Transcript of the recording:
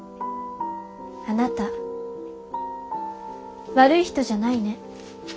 あなた悪い人じゃないね。